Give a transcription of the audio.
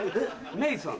メイさん？